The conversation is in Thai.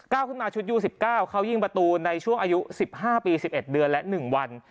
เก้าขึ้นมาชุดยูสิบเก้าเขายิงประตูในช่วงอายุสิบห้าปีสิบเอ็ดเดือนและหนึ่งวัน